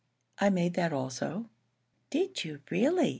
I made that also." "Did you really?"